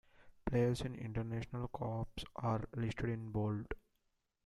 Players with international caps are listed in bold.